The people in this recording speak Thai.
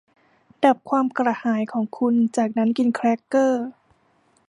ดับความกระหายของคุณจากนั้นกินแครกเกอร์